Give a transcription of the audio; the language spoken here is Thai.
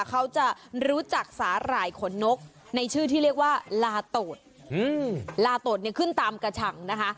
เขาจะรู้จักสาหร่ายขนนกในชื่อที่เรียกว่าลาโตดลาโตดเนี่ยขึ้นตามกระชังนะคะ